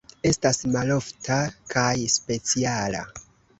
Estas malofta kaj speciala.